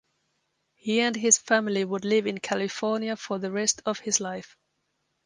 He and his family would live in California for the rest of his life.